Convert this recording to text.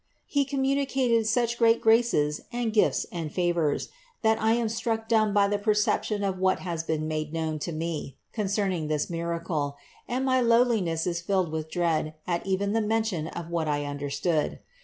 He communicated such great graces and gifts and favors, that I am struck dumb by the perception of what has been made known to me concerning this miracle, and my lowliness is filled with dread at even the mention of what I understood.